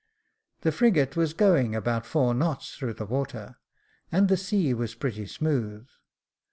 The frigate was going about four knots through the water, and the sea was pretty smooth.